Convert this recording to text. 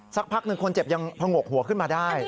สักพักหนึ่งคนเจ็บยังผงกหัวขึ้นมาได้